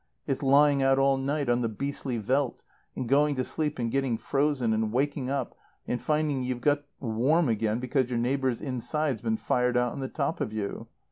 It's lying out all night on the beastly veldt, and going to sleep and getting frozen, and waking up and finding you've got warm again because your neighbour's inside's been fired out on the top of you.